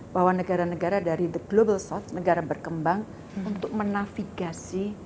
bahwa negara negara dari the global south negara berkembang untuk menafigasi